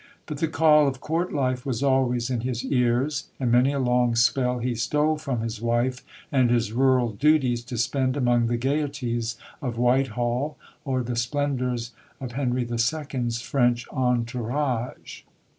But the call of Court life was always in his ears; and many a long spell he stole from his wife and his rural duties to spend among the gaieties of Whitehall or the splendours of Henri II.'s French entourage.